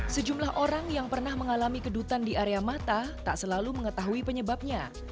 sejumlah orang yang pernah mengalami kedutan di area mata tak selalu mengetahui penyebabnya